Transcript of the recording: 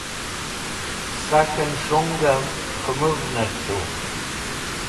Sakẽn shungẽv khẽmũvnẽr tu.